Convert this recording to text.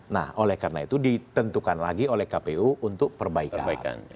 nah oleh karena itu ditentukan lagi oleh kpu untuk perbaikan